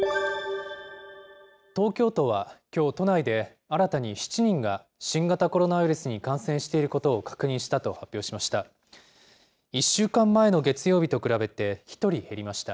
東京都はきょう、都内で新たに７人が新型コロナウイルスに感染していることを確認したと発表しました。